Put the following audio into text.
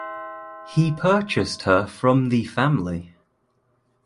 He purchased her from the family.